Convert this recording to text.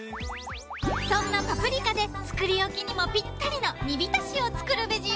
そんなパプリカで作り置きにもピッタリの煮びたしを作るベジよ